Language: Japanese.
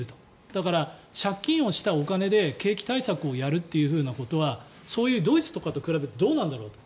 だから、借金をしたお金で景気対策をやるということはそういうドイツとかと比べてどうなんだろうと。